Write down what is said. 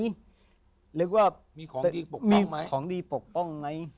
มีหรือว่ามีของดีปกป้องไหม